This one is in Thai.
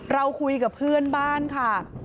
เราคุยกับเพื่อนบ้านค่ะ